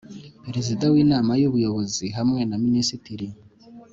Perezida w Inama y Ubuyobozi hamwe na Minisitiri